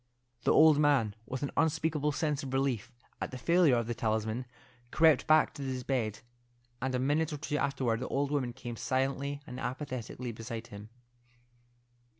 The old man, with an unspeakable sense of relief at the failure of the talisman, crept back to his bed, and a minute or two afterward the old woman came silently and apathetically beside him.